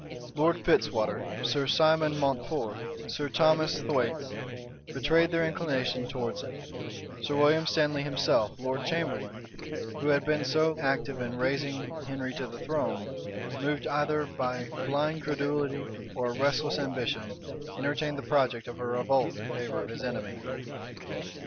Lord Fitzwater, Sir Simon Mountfort, Sir Thomas Thwaites, betrayed their inclination towards him: Sir William Stanley himself, lord chamberlain, who had been so active in raising Henry to the throne, moved either by blind credulity or a restless ambition, entertained the project of a revolt in favor of his enemy.